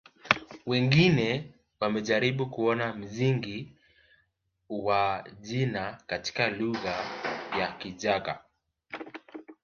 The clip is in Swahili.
Wengine wamejaribu kuona msingi wa jina katika lugha ya Kichaga